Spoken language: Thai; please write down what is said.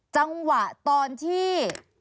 จังหวะตอนที่